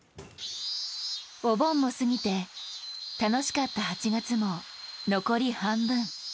お盆も過ぎて、楽しかった８月も残り半分。